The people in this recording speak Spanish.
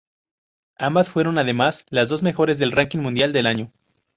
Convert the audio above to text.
Ambas fueron además las dos mejores del ranking mundial del año.